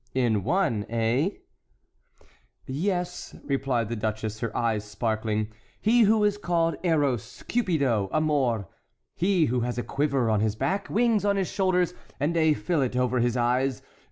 "In one, eh?" "Yes," replied the duchess, her eyes sparkling; "he who is called Eros, Cupido, Amor. He who has a quiver on his back, wings on his shoulders, and a fillet over his eyes.